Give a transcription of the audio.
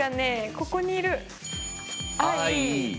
ここにいる。